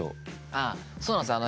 ああそうなんですよ。